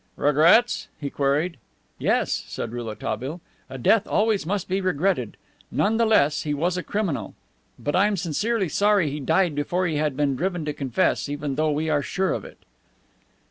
"Regrets?" he queried. "Yes," said Rouletabille. "A death always must be regretted. None the less, he was a criminal. But I'm sincerely sorry he died before he had been driven to confess, even though we are sure of it."